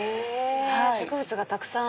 植物がたくさん。